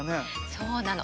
そうなの。